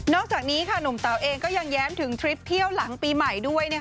อกจากนี้หนุ่มเต๋าเองก็ยังแย้มถึงทริปเที่ยวหลังปีใหม่ด้วย